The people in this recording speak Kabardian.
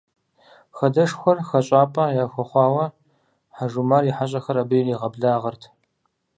Хадэшхуэр хэщӏапӏэ яхуэхъуауэ, Хьэжумар и хьэщӏэхэр абы иригъэблагъэрт.